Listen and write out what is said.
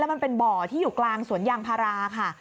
มันเป็นบ่อที่อยู่กลางสวนยางพาราค่ะ